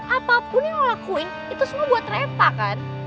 apapun yang lo lakuin itu semua buat reva kan